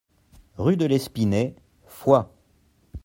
Rue de l'Espinet, Foix